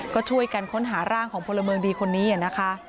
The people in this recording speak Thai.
ก็ช่วยกันค้นหาร่างของพลเมืองดีคนนี้นะคะ